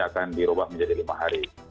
akan dirubah menjadi lima hari